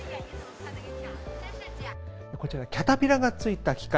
こちらキャタピラーがついた機械。